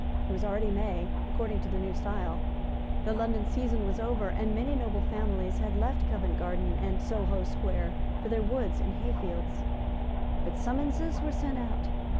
It was already May, according to the New Style. The London season was over; and many noble families had left Covent Garden and Soho Square for their woods and hayfields. But summonses were sent out.